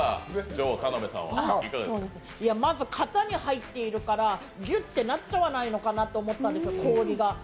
まず型に入っているからぎゅってなっちゃわないかなと思ったんですよ、氷が。